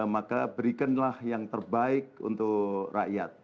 maka berikanlah yang terbaik untuk rakyat